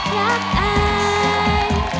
รักไอ